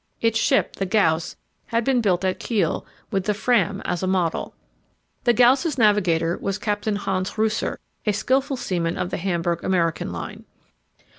Its ship, the Gauss, had been built at Kiel with the Fram as a model. The Gauss's navigator was Captain Hans Ruser, a skilful seaman of the Hamburg American line.